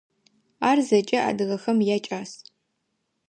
Ар зэкӏэ адыгэхэм якӏас.